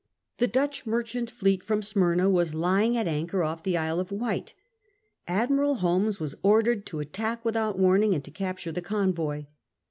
The Dutch merchant fleet from Smyrna was lying at anchor off the Isle of Wight. Admiral Holmes was ordered to attack without warning, and to capture the convoy.